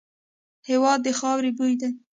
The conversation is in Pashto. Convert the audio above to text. هېواد د خاوري بوی دی.